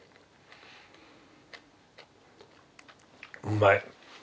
うまい。